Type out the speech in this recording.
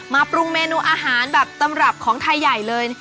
ปรุงเมนูอาหารแบบตำรับของไทยใหญ่เลย